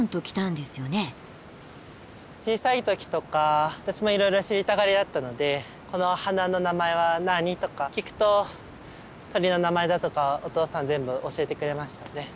小さい時とか私もいろいろ知りたがりだったので「この花の名前は何？」とか聞くと鳥の名前だとかお父さん全部教えてくれましたね。